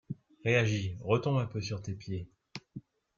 Réagis, retombe un peu sur tes pieds!